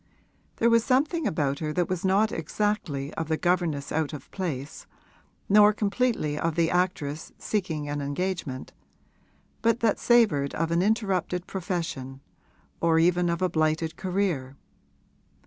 There was something about her that was not exactly of the governess out of place nor completely of the actress seeking an engagement, but that savoured of an interrupted profession or even of a blighted career.